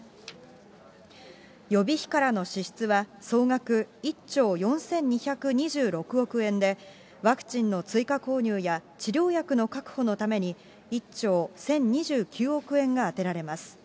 予備費からの支出は、総額１兆４２２６億円で、ワクチンの追加購入や、治療薬の確保のために、１兆１０２９億円が充てられます。